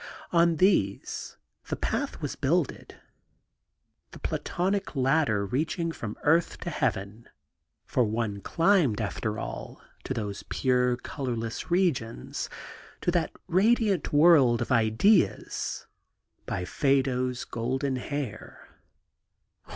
On these the path was builded, the Platonic ladder reaching from earth to heaven; for one climbed, after all, to those pure, colourless regions, to that radiant world of ideas, by Phaedo's golden hair.